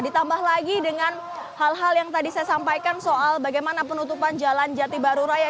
ditambah lagi dengan hal hal yang tadi saya sampaikan soal bagaimana penutupan jalan jati baru raya